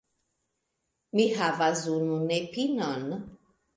Mi havas unu nepinon.